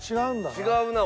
違うな。